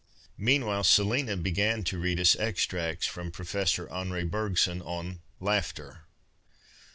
Meanwhile Selina began to read us extracts from Professor Henri IJcrgson on " Laughter."